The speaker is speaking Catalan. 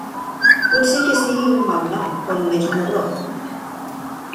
Pot ser que sigui un malnom, o només un error.